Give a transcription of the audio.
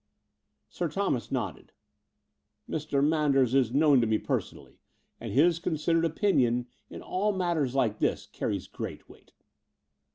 Sir Thomas nodded. "Mr. Manders is known to me personally; and his considered opinion, in all matters like this, carries great weight.